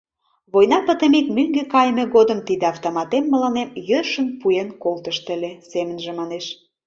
«Война пытымек, мӧҥгӧ кайыме годым тиде автоматем мыланем йӧршын пуэн колтышт ыле», — семынже манеш.